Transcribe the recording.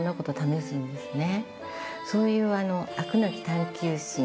そういうあの飽くなき探求心。